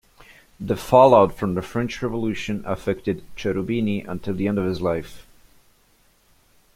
The fallout from the French Revolution affected Cherubini until the end of his life.